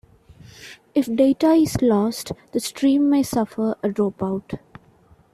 If data is lost, the stream may suffer a dropout.